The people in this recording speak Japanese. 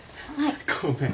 ごめん。